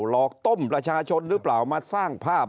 หลอกต้มประชาชนหรือเปล่ามาสร้างภาพ